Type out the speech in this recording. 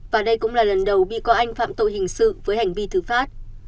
và đây cũng là lần đầu bị cáo anh phạm tội hình sự với hành vi thử phát